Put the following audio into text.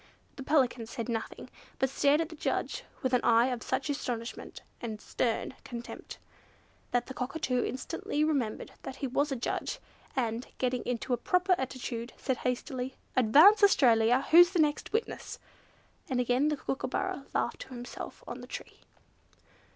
The Pelican said nothing, but stared at the judge with an eye of such astonishment and stern contempt, that the Cockatoo Instantly remembered that he was a judge, and, getting into a proper attitude, said hastily, "Advance Australia! Who's the next witness?" And again the Kookooburra laughed to himself on the tree.